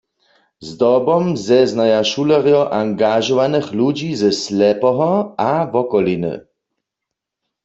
Zdobom zeznaja šulerjo angažowanych ludźi ze Slepoho a wokoliny.